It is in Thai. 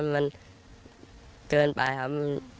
มันเกินไปครับ